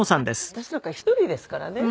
私なんか１人ですからね。